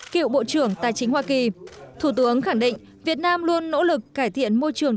cựu bộ trưởng tài chính hoa kỳ thủ tướng khẳng định việt nam luôn nỗ lực cải thiện môi trường